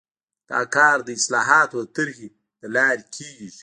دا کار د اصلاحاتو د طرحې له لارې کیږي.